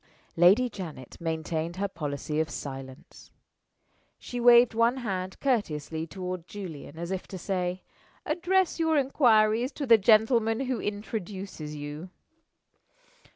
Lady Janet maintained her policy of silence. She waved one hand courteously toward Julian, as if to say, "Address your inquiries to the gentleman who introduces you."